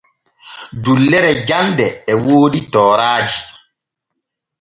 Dullere jande e woodi tooraaji.